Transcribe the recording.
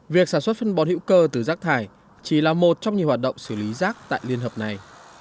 việc sản xuất phân bón hữu cơ từ rác thải chỉ là một trong nhiều hoạt động xử lý rác tại liên hợp này